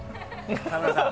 沢村さん。